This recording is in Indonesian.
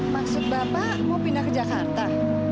maksud bapak mau pindah ke jakarta